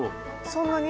そんなに？